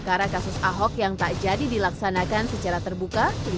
karena kasus ahok yang tak jadi dilaksanakan secara terbuka